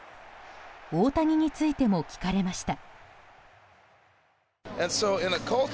大谷についても聞かれました。